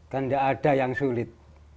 kan tidak ada yang sulit